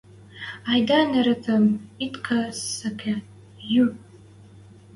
Айда, неретӹм ит сӓкӹ, йӱ!